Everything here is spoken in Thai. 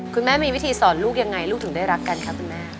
คุณแม่มีวิธีสอนลูกยังไงลูกถึงได้รักกันคะคุณแม่